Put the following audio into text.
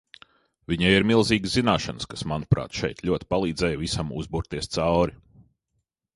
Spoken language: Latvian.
Viņai ir milzīgas zināšanas, kas, manuprāt, šeit ļoti palīdzēja visam uzburties cauri.